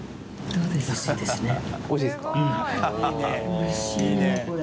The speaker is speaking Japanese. おいしいねこれ。